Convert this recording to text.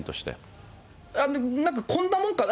なんか、こんなもんかな。